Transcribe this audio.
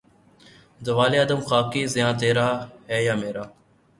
زوال آدم خاکی زیاں تیرا ہے یا میرا